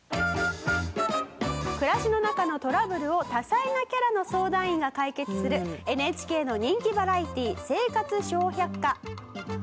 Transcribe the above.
「暮らしの中のトラブルを多彩なキャラの相談員が解決するＮＨＫの人気バラエティー『生活笑百科』」